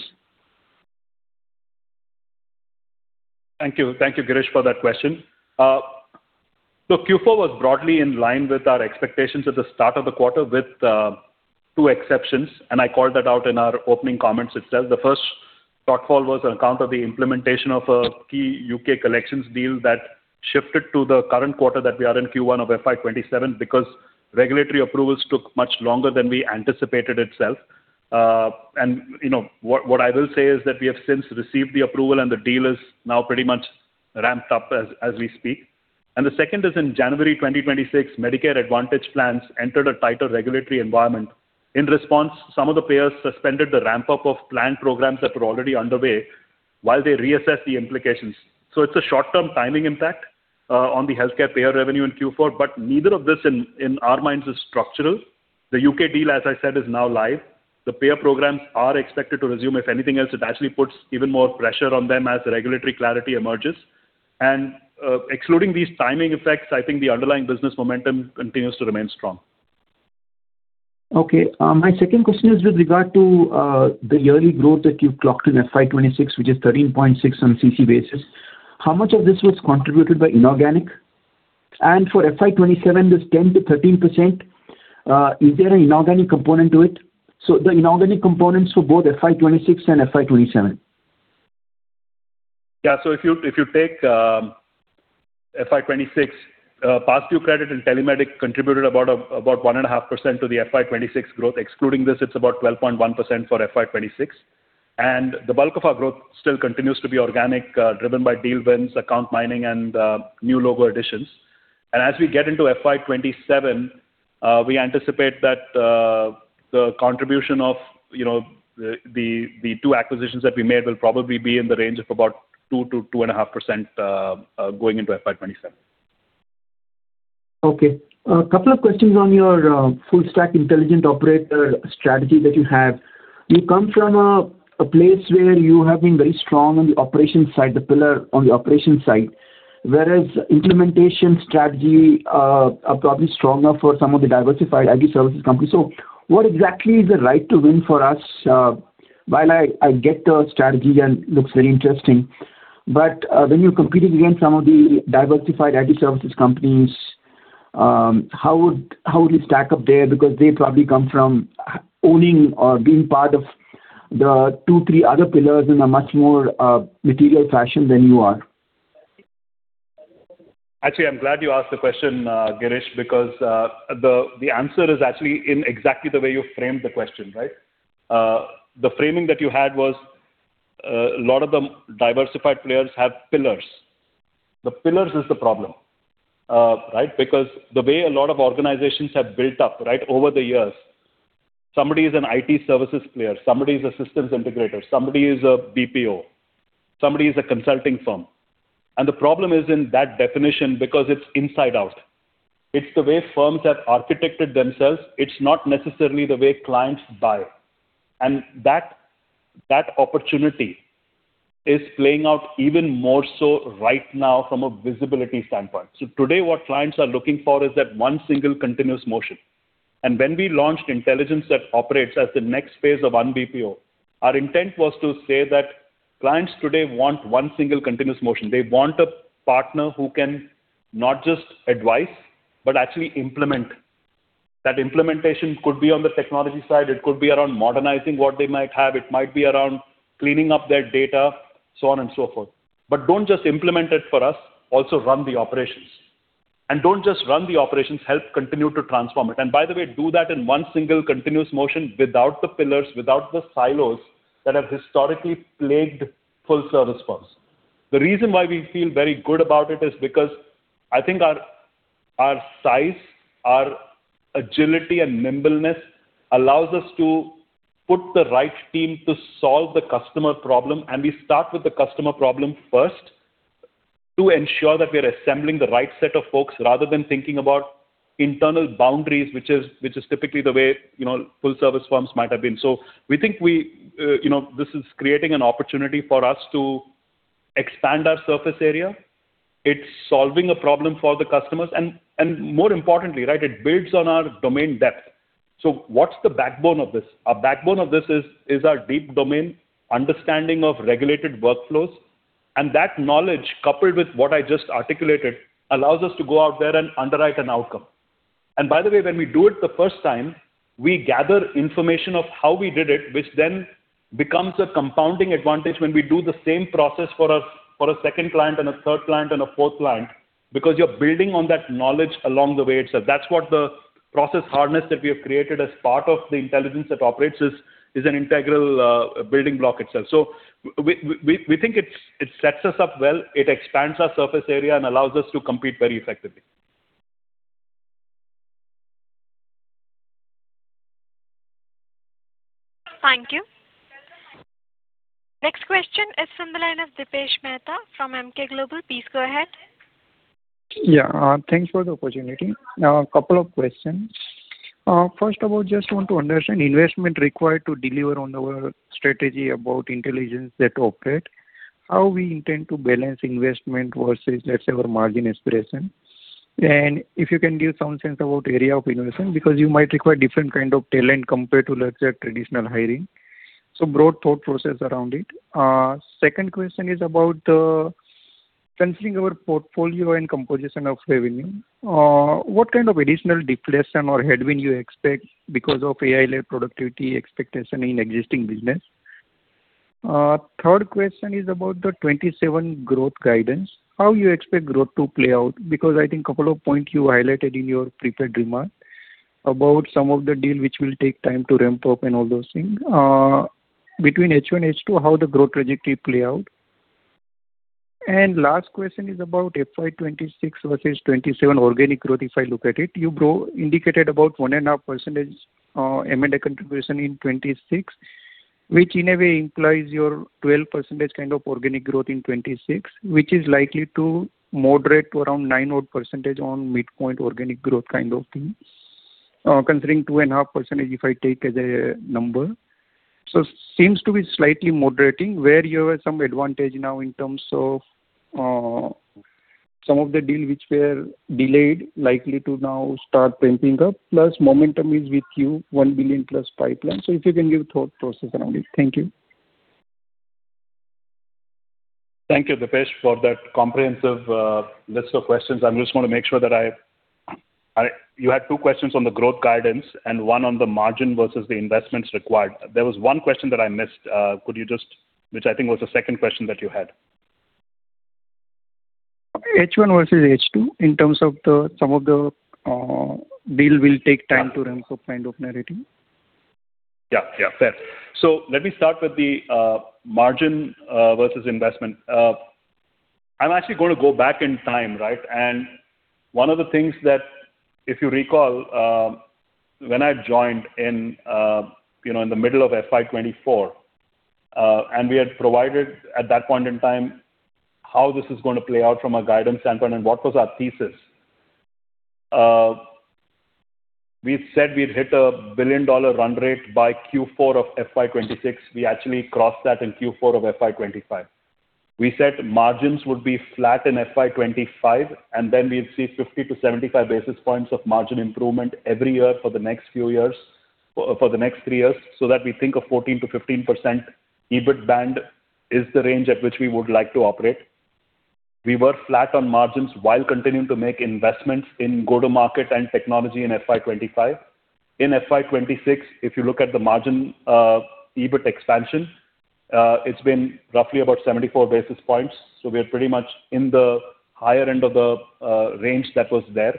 Thank you. Thank you, Girish, for that question. Q4 was broadly in line with our expectations at the start of the quarter with two exceptions. I called that out in our opening comments itself. The first shortfall was on account of the implementation of a key U.K. collections deal that shifted to the current quarter that we are in Q1 of FY 2027 because regulatory approvals took much longer than we anticipated itself. You know, what I will say is that we have since received the approval and the deal is now pretty much ramped up as we speak. The second is in January 2026, Medicare Advantage plans entered a tighter regulatory environment. In response, some of the payers suspended the ramp-up of planned programs that were already underway while they reassess the implications. It's a short-term timing impact on the healthcare payer revenue in Q4, but neither of this in our minds is structural. The U.K. deal, as I said, is now live. The payer programs are expected to resume. If anything else, it actually puts even more pressure on them as regulatory clarity emerges. Excluding these timing effects, I think the underlying business momentum continues to remain strong. My second question is with regard to the yearly growth that you've clocked in FY 2026, which is 13.6% on CC basis. How much of this was contributed by inorganic? For FY 2027, this 10%-13%, is there an inorganic component to it? The inorganic components for both FY 2026 and FY 2027. If you, if you take FY 2026, Pastdue Credit Solutions and TeleMedik contributed about 1.5% to the FY 2026 growth. Excluding this, it's about 12.1% for FY 2026. The bulk of our growth still continues to be organic, driven by deal wins, account mining, and new logo additions. As we get into FY 2027, we anticipate that the contribution of the two acquisitions that we made will probably be in the range of about 2%-2.5% going into FY 2027. Okay. A couple of questions on your full stack intelligent operator strategy that you have. You come from a place where you have been very strong on the operations side, the pillar on the operations side. Whereas implementation strategy are probably stronger for some of the diversified IT services companies. What exactly is the right to win for us? While I get the strategy and looks very interesting. When you're competing against some of the diversified IT services companies, how would you stack up there? Because they probably come from owning or being part of the two, three other pillars in a much more material fashion than you are. Actually, I'm glad you asked the question, Girish, because the answer is actually in exactly the way you framed the question, right? The framing that you had was, a lot of the diversified players have pillars. The pillars is the problem. Right? Because the way a lot of organizations have built up, right, over the years. Somebody is an IT services player. Somebody is a systems integrator. Somebody is a BPO. Somebody is a consulting firm. The problem is in that definition because it's inside out. It's the way firms have architected themselves. It's not necessarily the way clients buy. That opportunity is playing out even more so right now from a visibility standpoint. Today, what clients are looking for is that one single continuous motion. When we launched Intelligence That Operates as the next phase of UnBPO, our intent was to say that clients today want one single continuous motion. They want a partner who can not just advise but actually implement. That implementation could be on the technology side. It could be around modernizing what they might have. It might be around cleaning up their data, so on and so forth. Don't just implement it for us, also run the operations. Don't just run the operations, help continue to transform it. By the way, do that in one single continuous motion without the pillars, without the silos that have historically plagued full service firms. The reason why we feel very good about it is because I think our size, our agility and nimbleness allows us to put the right team to solve the customer problem. We start with the customer problem first to ensure that we are assembling the right set of folks rather than thinking about internal boundaries which is typically the way, you know, full service firms might have been. We think we, you know, this is creating an opportunity for us to expand our surface area. It's solving a problem for the customers and more importantly, right, it builds on our domain depth. What's the backbone of this? Our backbone of this is our deep domain understanding of regulated workflows. That knowledge, coupled with what I just articulated, allows us to go out there and underwrite an outcome. By the way, when we do it the first time, we gather information of how we did it, which then becomes a compounding advantage when we do the same process for a, for a second client and a third client and a fourth client because you're building on that knowledge along the way itself. That's what the process harness that we have created as part of the Intelligence That Operates is an integral building block itself. We think it sets us up well. It expands our surface area and allows us to compete very effectively. Thank you. Next question is from the line of Dipesh Mehta from Emkay Global. Please go ahead. Thanks for the opportunity. A couple of questions. First of all, just want to understand investment required to deliver on our strategy about Intelligence That Operates. How we intend to balance investment versus, let's say, our margin aspiration. If you can give some sense about area of innovation because you might require different kind of talent compared to, let's say, traditional hiring. Broad thought process around it. Second question is about, considering our portfolio and composition of revenue, what kind of additional deflation or headwind you expect because of AI-led productivity expectation in existing business? Third question is about the 27 growth guidance. How you expect growth to play out? Because I think couple of points you highlighted in your prepared remark about some of the deal which will take time to ramp up and all those things. Between H1, H2, how the growth trajectory play out. Last question is about FY 2026 versus 2027 organic growth if I look at it. You indicated about 1.5% M&A contribution in 2026, which in a way implies your 12% kind of organic growth in 2026, which is likely to moderate to around 9% on midpoint organic growth kind of thing. Considering 2.5% if I take as a number. Seems to be slightly moderating where you have some advantage now in terms of some of the deal which were delayed likely to now start ramping up. Plus momentum is with you, 1 billion plus pipeline. If you can give thought process around it. Thank you. Thank you, Dipesh, for that comprehensive list of questions. I just wanna make sure that you had two questions on the growth guidance and one on the margin versus the investments required. There was one question that I missed. Could you just, which I think was the second question that you had? H1 versus H2 in terms of some of the deal will take time to ramp up kind of narrative. Yeah. Yeah. Fair. Let me start with the margin versus investment. I'm actually gonna go back in time, right? One of the things that if you recall, you know, in the middle of FY 2024, and we had provided at that point in time how this is gonna play out from a guidance standpoint and what was our thesis. We said we'd hit a billion-dollar run rate by Q4 of FY 2026. We actually crossed that in Q4 of FY 2025. We said margins would be flat in FY 2025, and then we'd see 50-75 basis points of margin improvement every year for the next few years, for the next 3 years, so that we think a 14%-15% EBIT band is the range at which we would like to operate. We were flat on margins while continuing to make investments in go-to-market and technology in FY 2025. In FY 2026, if you look at the margin, EBIT expansion, it's been roughly about 74 basis points. We are pretty much in the higher end of the range that was there.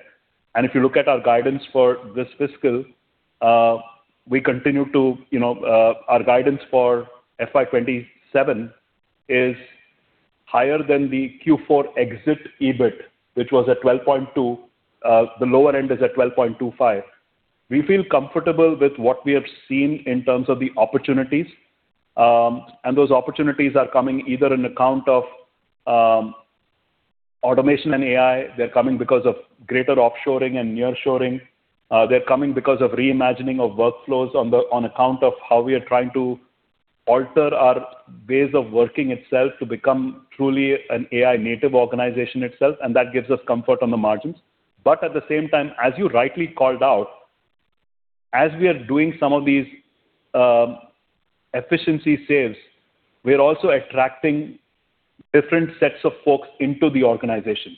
If you look at our guidance for this fiscal, we continue to, you know, our guidance for FY 2027 is higher than the Q4 exit EBIT, which was at 12.2. The lower end is at 12.25. We feel comfortable with what we have seen in terms of the opportunities. Those opportunities are coming either on account of automation and AI. They're coming because of greater offshoring and nearshoring. They're coming because of reimagining of workflows on account of how we are trying to alter our ways of working itself to become truly an AI-native organization itself, and that gives us comfort on the margins. As you rightly called out, as we are doing some of these efficiency saves, we are also attracting different sets of folks into the organization.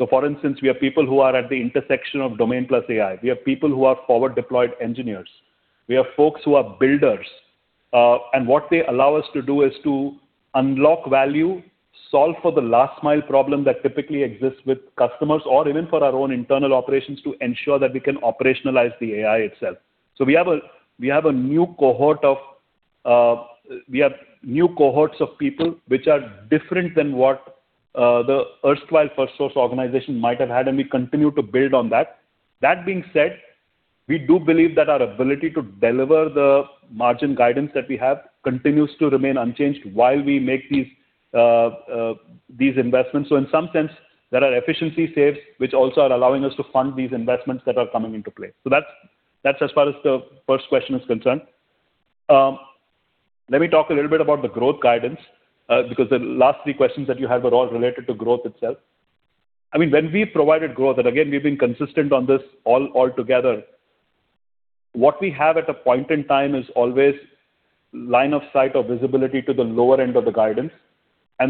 We have people who are at the intersection of domain plus AI. We have people who are forward-deployed engineers. We have folks who are builders. What they allow us to do is to unlock value, solve for the last mile problem that typically exists with customers or even for our own internal operations to ensure that we can operationalize the AI itself. We have new cohorts of people which are different than what the erstwhile Firstsource organization might have had, and we continue to build on that. That being said, we do believe that our ability to deliver the margin guidance that we have continues to remain unchanged while we make these investments. In some sense, there are efficiency saves which also are allowing us to fund these investments that are coming into play. That's as far as the first question is concerned. Let me talk a little bit about the growth guidance because the last three questions that you had were all related to growth itself. I mean, when we provided growth, and again, we've been consistent on this all together. What we have at a point in time is always line of sight or visibility to the lower end of the guidance.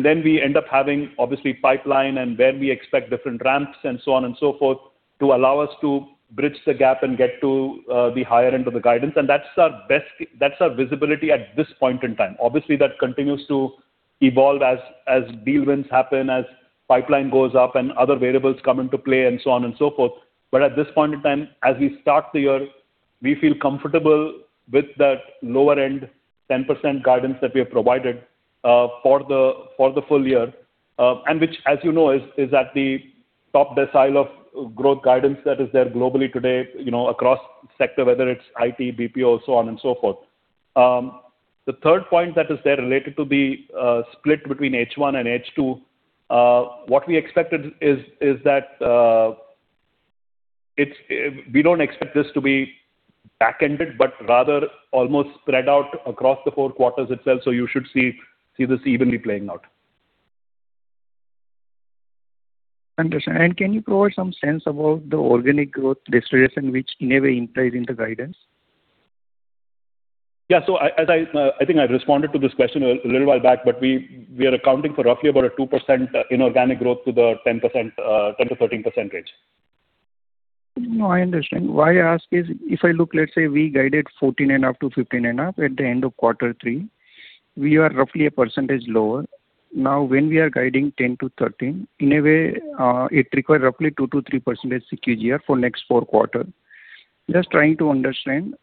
Then we end up having obviously pipeline and where we expect different ramps and so on and so forth to allow us to bridge the gap and get to the higher end of the guidance. That's our visibility at this point in time. Obviously, that continues to evolve as deal wins happen, as pipeline goes up and other variables come into play and so on and so forth. At this point in time, as we start the year, we feel comfortable with that lower end 10% guidance that we have provided for the full year. Which, as you know, is at the top decile of growth guidance that is there globally today, you know, across sector, whether it's IT, BPO, so on and so forth. The third point that is there related to the split between H1 and H2, what we expected is that we don't expect this to be backended, but rather almost spread out across the 4 quarters itself. You should see this evenly playing out. Understand. Can you provide some sense about the organic growth registration which in a way implies in the guidance? Yeah. As I think I responded to this question a little while back, we are accounting for roughly about a 2% inorganic growth to the 10%-13% range. No, I understand. Why I ask is if I look, let's say, we guided 14.5-15.5 at the end of Q3. We are roughly 1% lower. When we are guiding 10-13, in a way, it require roughly 2%-3% CQGR for next four quarter. Just trying to understand,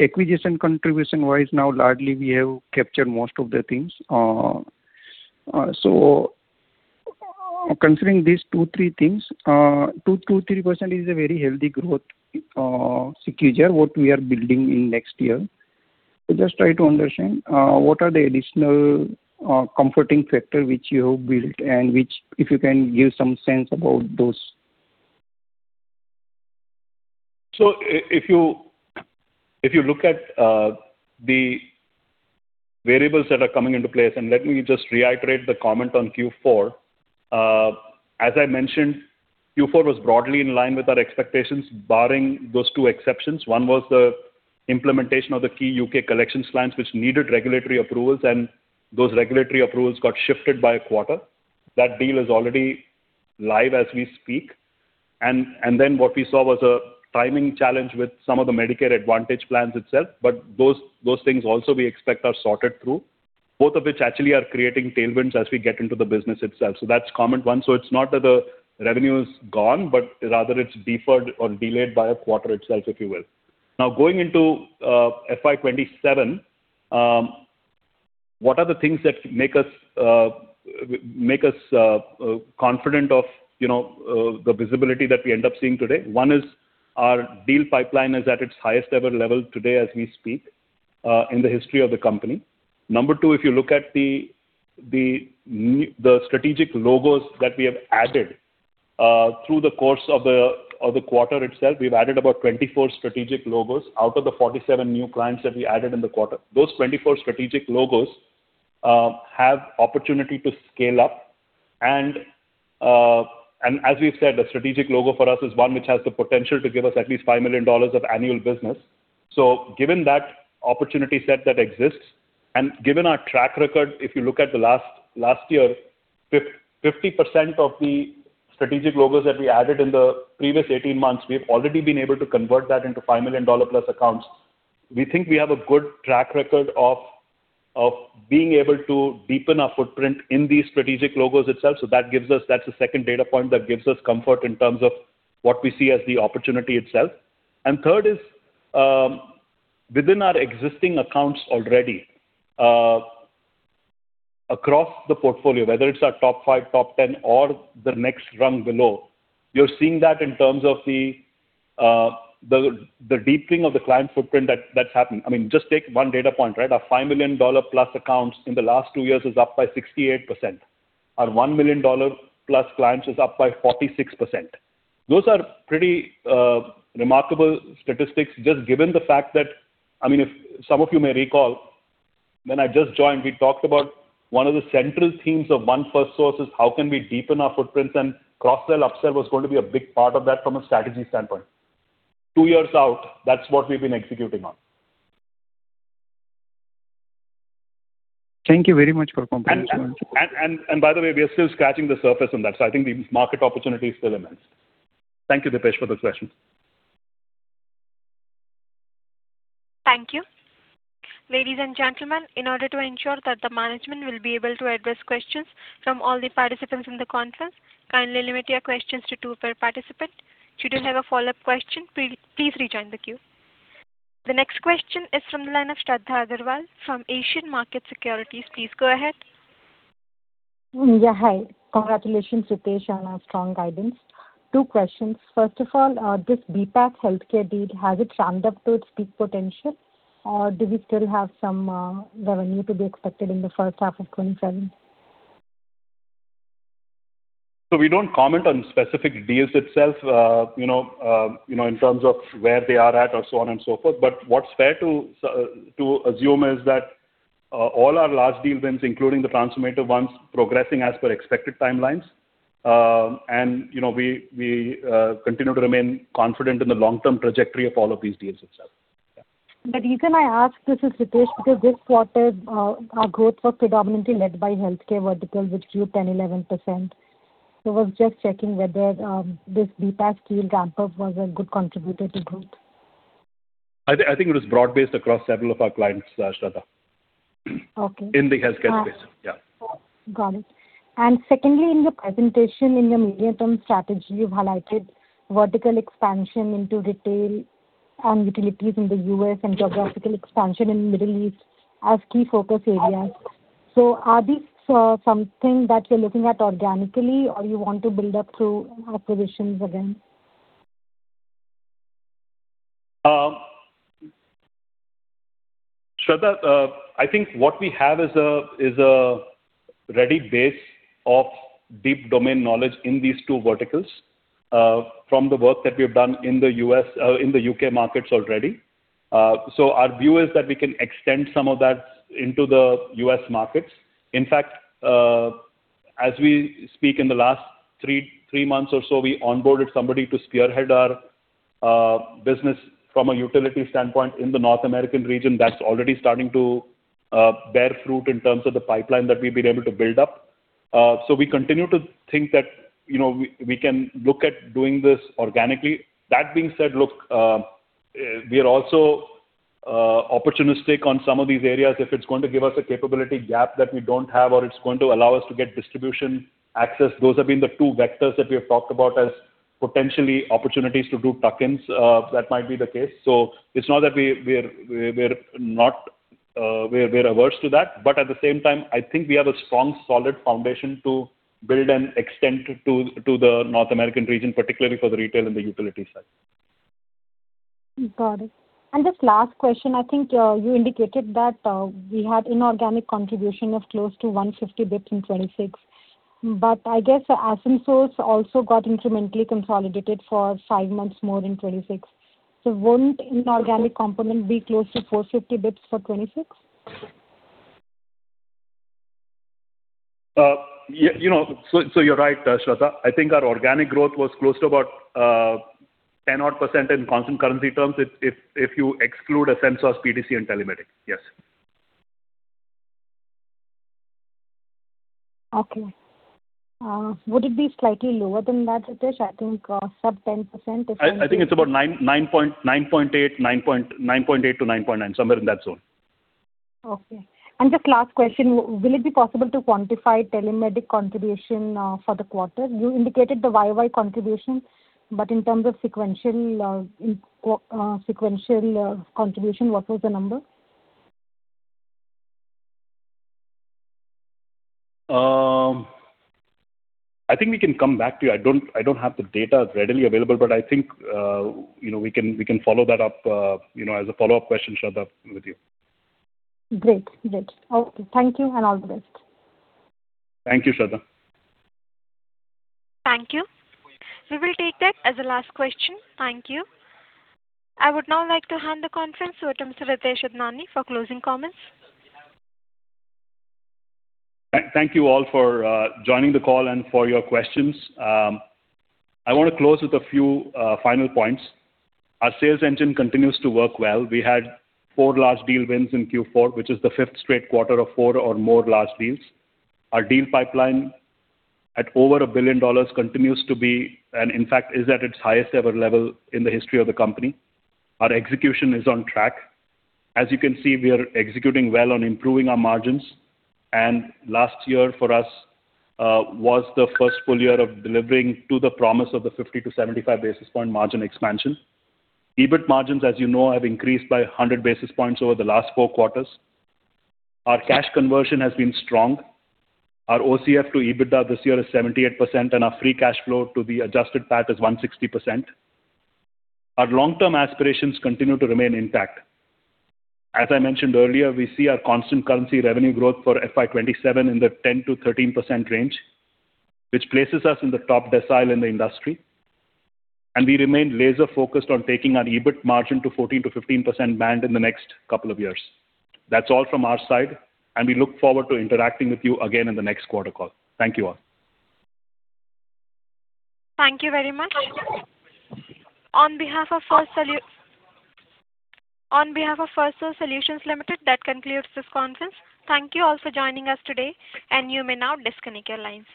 acquisition contribution-wise now largely we have captured most of the things. So considering these 2, 3 things, 2%-3% is a very healthy growth, CQGR what we are building in next year. Just try to understand, what are the additional, comforting factor which you have built and which if you can give some sense about those. If you look at the variables that are coming into place, let me just reiterate the comment on Q4. As I mentioned, Q4 was broadly in line with our expectations barring those two exceptions. 1 was the implementation of the key U.K. collection plans which needed regulatory approvals, those regulatory approvals got shifted by a quarter. That deal is already live as we speak. What we saw was a timing challenge with some of the Medicare Advantage plans itself, those things also we expect are sorted through, both of which actually are creating tailwinds as we get into the business itself. That's comment 1. It's not that the revenue is gone, rather it's deferred or delayed by a quarter itself, if you will. Now, going into FY 2027, what are the things that make us confident of, you know, the visibility that we end up seeing today? One is our deal pipeline is at its highest ever level today as we speak, in the history of the company. Number two, if you look at the strategic logos that we have added through the course of the quarter itself, we've added about 24 strategic logos out of the 47 new clients that we added in the quarter. Those 24 strategic logos have opportunity to scale up and, as we've said, a strategic logo for us is one which has the potential to give us at least $5 million of annual business. Given that opportunity set that exists and given our track record, if you look at the last year, 50% of the strategic logos that we added in the previous 18 months, we've already been able to convert that into 5 million dollar plus accounts. We think we have a good track record of being able to deepen our footprint in these strategic logos itself. That gives us That's the second data point that gives us comfort in terms of what we see as the opportunity itself. Third is, within our existing accounts already, across the portfolio, whether it's our top 5, top 10 or the next rung below, we are seeing that in terms of the deepening of the client footprint that's happening. I mean, just take one data point, right? Our INR 5 million plus accounts in the last 2 years is up by 68%. Our INR 1 million plus clients is up by 46%. Those are pretty remarkable statistics, just given the fact that, I mean, if some of you may recall, when I just joined, we talked about one of the central themes of One Firstsource is how can we deepen our footprint and cross-sell, upsell was going to be a big part of that from a strategy standpoint. 2 years out, that's what we've been executing on. Thank you very much for the comprehensive answer. By the way, we are still scratching the surface on that. I think the market opportunity is still immense. Thank you, Dipesh, for the question. Thank you. Ladies and gentlemen, in order to ensure that the management will be able to address questions from all the participants in the conference, kindly limit your questions to 2 per participant. Should you have a follow-up question, please rejoin the queue. The next question is from the line of Shradha Agrawal from Asian Markets Securities. Please go ahead. Yeah, hi. Congratulations, Ritesh, on a strong guidance. Two questions. First of all, this BPAS healthcare deal, has it ramped up to its peak potential? Do we still have some revenue to be expected in the first half of 2027? We don't comment on specific deals itself, you know, in terms of where they are at or so on and so forth. What's fair to assume is that all our large deal wins, including the transformative ones, progressing as per expected timelines. You know, we continue to remain confident in the long-term trajectory of all of these deals itself. The reason I ask this is, Ritesh, because this quarter, our growth was predominantly led by healthcare vertical, which grew 10, 11%. I was just checking whether this BPAS deal ramp-up was a good contributor to growth. I think it was broad-based across several of our clients, Shradha. Okay. In the healthcare space. Yeah. Got it. Secondly, in your presentation, in your medium-term strategy, you've highlighted vertical expansion into retail and utilities in the U.S. and geographical expansion in Middle East as key focus areas. Are these something that you're looking at organically or you want to build up through acquisitions again? Shradha, I think what we have is a, is a ready base of deep domain knowledge in these two verticals, from the work that we've done in the U.S., in the U.K. markets already. Our view is that we can extend some of that into the U.S. markets. In fact, as we speak, in the last 3 months or so, we onboarded somebody to spearhead our business from a utility standpoint in the North American region. That's already starting to bear fruit in terms of the pipeline that we've been able to build up. We continue to think that, you know, we can look at doing this organically. That being said, look, we are also opportunistic on some of these areas. If it's going to give us a capability gap that we don't have, or it's going to allow us to get distribution access, those have been the two vectors that we have talked about as potentially opportunities to do tuck-ins. That might be the case. It's not that we're not averse to that. At the same time, I think we have a strong, solid foundation to build and extend to the North American region, particularly for the retail and the utility side. Got it. Just last question, I think, you indicated that, we had inorganic contribution of close to 150 basis points in 2026. I guess Ascensos also got incrementally consolidated for 5 months more in 2026. Won't inorganic component be close to 450 basis points for 2026? You know, you're right, Shradha. I think our organic growth was close to about 10 odd % in constant currency terms if you exclude Ascensos, PatientMatters and TeleMedik. Yes. Okay. Would it be slightly lower than that, Ritesh? I think, sub 10%. I think it's about 9.8 to 9.9, somewhere in that zone. Okay. Just last question. Will it be possible to quantify TeleMedik contribution for the quarter? You indicated the YY contribution, but in terms of sequential contribution, what was the number? I think we can come back to you. I don't have the data readily available, but I think, you know, we can follow that up, you know, as a follow-up question, Shradha, with you. Great. Great. Okay. Thank you, and all the best. Thank you, Shradha. Thank you. We will take that as the last question. Thank you. I would now like to hand the conference over to Mr. Ritesh Idnani for closing comments. Thank you all for joining the call and for your questions. I wanna close with a few final points. Our sales engine continues to work well. We had four large deal wins in Q4, which is the fifth straight quarter of four or more large deals. Our deal pipeline at over $1 billion continues to be and, in fact, is at its highest ever level in the history of the company. Our execution is on track. As you can see, we are executing well on improving our margins. Last year for us was the first full year of delivering to the promise of the 50-75 basis point margin expansion. EBIT margins, as you know, have increased by 100 basis points over the last four quarters. Our cash conversion has been strong. Our OCF to EBITDA this year is 78%, and our free cash flow to the adjusted PAT is 160%. Our long-term aspirations continue to remain intact. As I mentioned earlier, we see our constant currency revenue growth for FY 2027 in the 10%-13% range, which places us in the top decile in the industry. We remain laser-focused on taking our EBIT margin to 14%-15% band in the next couple of years. That's all from our side, and we look forward to interacting with you again in the next quarter call. Thank you all. Thank you very much. On behalf of Firstsource Solutions Limited, that concludes this conference. Thank you all for joining us today, and you may now disconnect your lines.